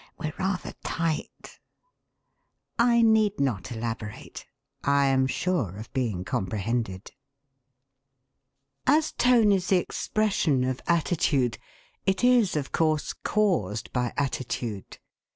We're rather tight.' I need not elaborate. I am sure of being comprehended. As tone is the expression of attitude, it is, of course, caused by attitude.